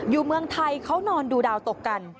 เมืองไทยเขานอนดูดาวตกกัน